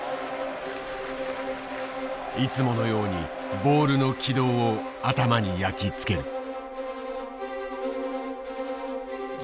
いつものようにボールの軌道を頭に焼き付ける。